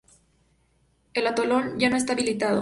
El atolón ya no está habitado.